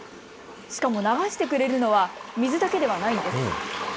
しかも流してくれるのは水だけではないんです。